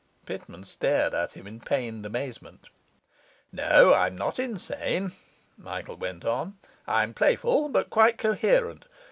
Pitman stared at him in pained amazement. 'No, I'm not insane,' Michael went on. 'I'm playful, but quite coherent.